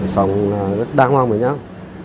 sống rất đa hoàng với nhau